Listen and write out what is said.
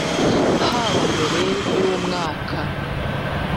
haba mbere y umwaka